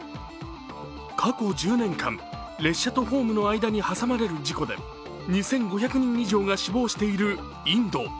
過去１０年間、列車とホームの間に挟まれる事故で２５００人以上が死亡しているインド。